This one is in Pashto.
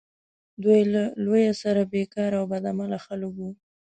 دوی له لویه سره بیکاره او بد عمله خلک وه.